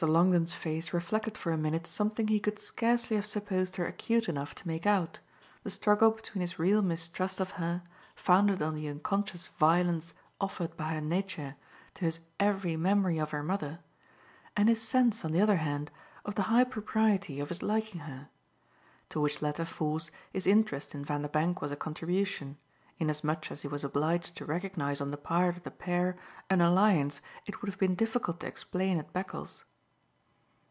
Longdon's face reflected for a minute something he could scarcely have supposed her acute enough to make out, the struggle between his real mistrust of her, founded on the unconscious violence offered by her nature to his every memory of her mother, and his sense on the other hand of the high propriety of his liking her; to which latter force his interest in Vanderbank was a contribution, inasmuch as he was obliged to recognise on the part of the pair an alliance it would have been difficult to explain at Beccles.